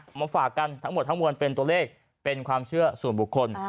มาฝากกันทั้งหมดทั้งมวลเป็นตัวเลขเป็นความเชื่อส่วนบุคคล